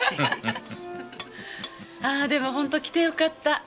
あーでもホント来て良かった。